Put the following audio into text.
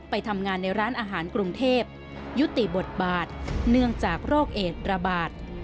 ไปทำงานในร้านอาหารกรุงเทพยุติบทบาทเนื่องจากโรคเอดระบาด